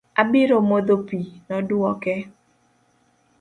Abiro modho pii, nodwoke